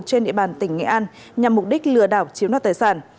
trên địa bàn tỉnh nghệ an nhằm mục đích lừa đảo chiếm đoạt tài sản